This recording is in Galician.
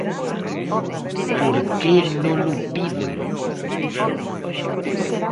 ¿Por que non o piden?